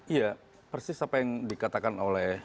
iya persis apa yang dikatakan oleh